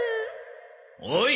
おい！